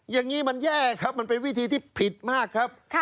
อย่างนี้มันแย่ครับมันเป็นวิธีที่ผิดมากครับ